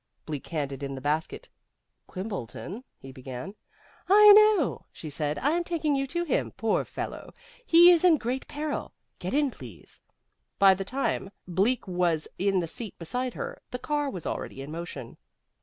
Bleak handed in the basket. "Quimbleton " he began. "I know," she said. "I'm taking you to him. Poor fellow, he is in great peril. Get in, please." By the time Bleak was in the seat beside her, the car was already in motion.